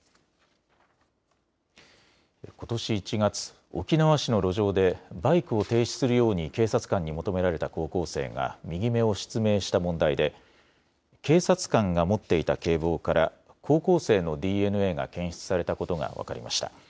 ことし１月、沖縄市の路上でバイクを停止するように警察官に求められた高校生が右目を失明した問題で警察官が持っていた警棒から高校生のＤＮＡが検出されたことが分かりました。